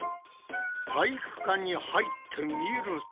体育館に入ってみると。